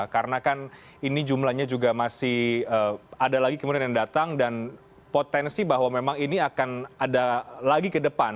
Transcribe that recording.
karena kan ini jumlannya juga masih ada lagi kemudian yang datang dan potensi bahwa memang ini akan ada lagi ke depan